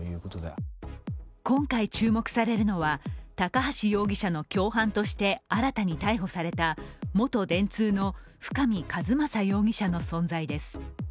今回注目されるのは高橋容疑者の共犯として新たに逮捕された元電通の深見和政容疑者の存在です。